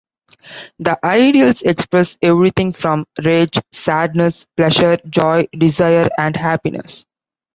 The idols express everything from rage, sadness, pleasure, joy, desire and happiness.